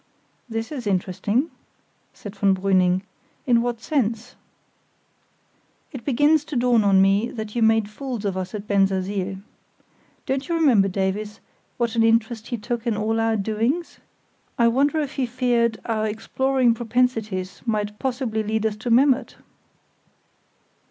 "This is interesting," said von Brüning, "in what sense?" "It begins to dawn on me that you made fools of us at Bensersiel. Don't you remember, Davies, what an interest he took in all our doings? I wonder if he feared our exploring propensities might possibly lead us to Memmert?"